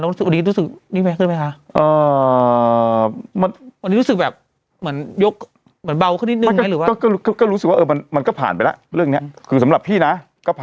รู้สึกว่าวันนี้แม่ขึ้นไหมคะ